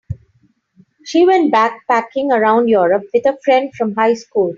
She went backpacking around Europe with a friend from high school.